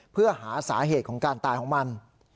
เพื่อหาสาเหตุของการตายของมัน